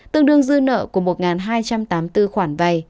tương đương dư nợ của một hai trăm tám mươi bốn khoản vay